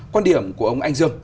quan điểm của ông anh dương